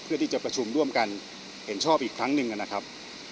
เพื่อที่จะประชุมร่วมกันเห็นชอบอีกครั้งหนึ่งนะครับ